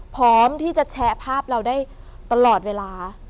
พร้อมที่จะแชร์ภาพเราได้ตลอดเวลา